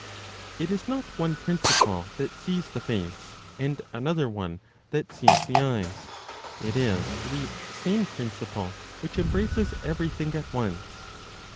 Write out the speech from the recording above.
It is not one principle that sees the face, and another one that sees the eyes; it is the "same principle" which embraces everything at once.